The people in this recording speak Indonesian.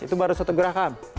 itu baru satu gerakan